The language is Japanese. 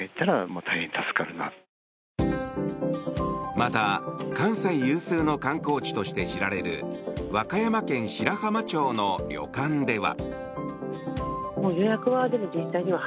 また、関西有数の観光地として知られる和歌山県白浜町の旅館では。